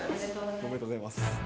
おめでとうございます。